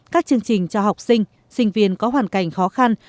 các chương trình cho học sinh sinh viên có hoàn cảnh khó khăn